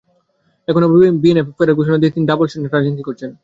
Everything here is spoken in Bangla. এখন আবার বিএনএফে ফেরার ঘোষণা দিয়ে তিনি ডবল স্ট্যান্ডার্ড রাজনীতি করছেন।